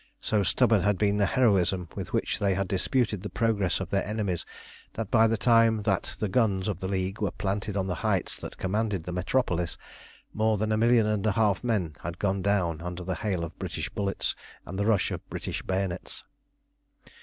So stubborn had been the heroism with which they had disputed the progress of their enemies that by the time that the guns of the League were planted on the heights that commanded the Metropolis, more than a million and a half of men had gone down under the hail of British bullets and the rush of British bayonets.